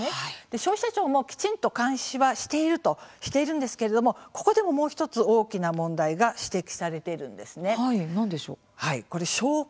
消費者庁もきちんと監視はしているんですけれどもここでも、もう１つ大きな問題が指摘されているんですね。